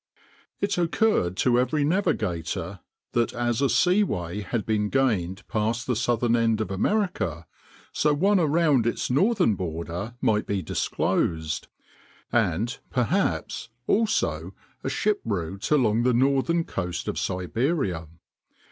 It occurred to every navigator that as a sea way had been gained past the southern end of America, so one around its northern border might be disclosed; and perhaps, also, a ship route along the northern coast of Siberia.